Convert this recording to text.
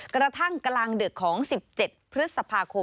กระทั่งกลางดึกของ๑๗พฤษภาคม